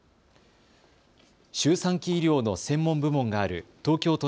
周産期医療の専門部門がある東京